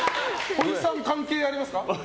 ほいさん関係ありますか？